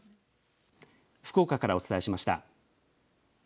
福岡からお伝えしました。